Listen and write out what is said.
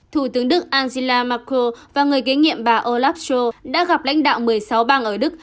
thủ tướng đức angela mako và người kế nhiệm bà olaf scho đã gặp lãnh đạo một mươi sáu bang ở đức